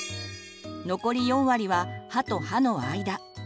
残り４割は歯と歯の間。